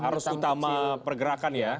harus utama pergerakan ya